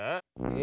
え？